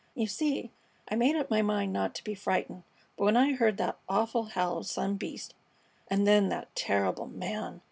You see, I'd made up my mind not to be frightened, but when I heard that awful howl of some beast And then that terrible man!"